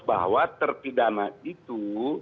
bahwa terpidana itu